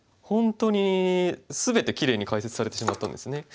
本当に全てきれいに解説されてしまったんですね。